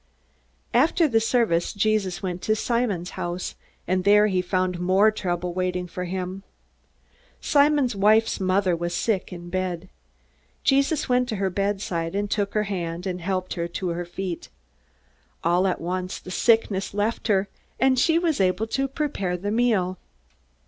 After the service, Jesus went to Simon's house, and there he found more trouble waiting for him. Simon's wife's mother was sick in bed. Jesus went to her bed side, and took her hand, and helped her to her feet. All at once the sickness left her, and she was able to prepare the meal.